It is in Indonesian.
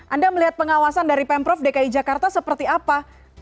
anda melihat pengawasan dari pemprov dki jakarta seperti apa